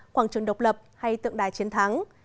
quảng trường độc lập hay tượng đài chiến thắng